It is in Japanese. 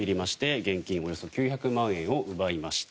現金およそ９００万円を奪いました。